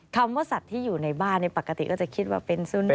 คำว่าสัตว์ที่อยู่ในบ้านปกติก็จะคิดว่าเป็นสุนัข